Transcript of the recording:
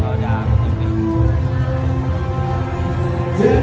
สโลแมคริปราบาล